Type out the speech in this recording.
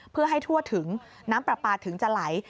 เพื่อให้ทั่วถึงน้ำปลาปลาถึงจะไหล